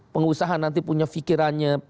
pengusaha nanti punya fikirannya